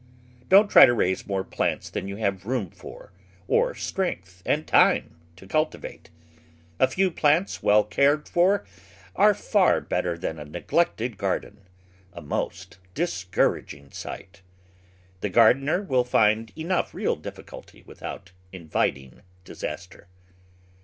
Don't try to raise more plants than you have room for, or strength and time to cultivate. A few plants well cared for are better than a neglected garden — a most discouraging sight. The gardener will find enough real difficulty without inviting disaster.